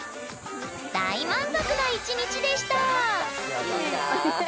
大満足な１日でした！